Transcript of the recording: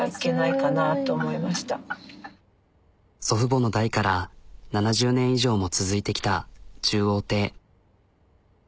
祖父母の代から７０年以上も続いてきた中央亭。